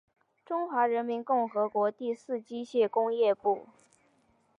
中华人民共和国第四机械工业部。